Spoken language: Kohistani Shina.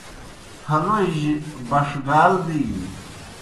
تھلوئی جیْ بݜگال دِینیْ۔